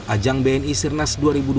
ajang bni sirnas dua ribu dua puluh